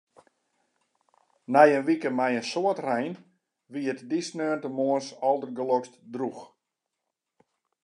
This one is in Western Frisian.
Nei in wike mei in soad rein wie it dy sneontemoarns aldergelokst drûch.